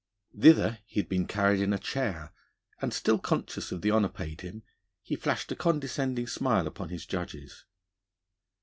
Thither he had been carried in a chair, and, still conscious of the honour paid him, he flashed a condescending smile upon his judges.